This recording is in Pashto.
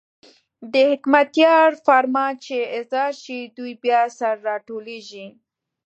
د حکمتیار فرمان چې اظهار شي، دوی بیا سره راټولېږي.